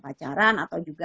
pacaran atau juga